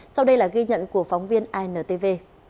sau đây là ghi nhận của phóng viên intv